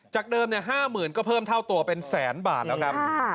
จากเดิม๕๐๐๐ก็เพิ่มเท่าตัวเป็นแสนบาทแล้วครับ